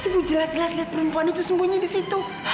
aduh jelas jelas lihat perempuan itu sembunyi di situ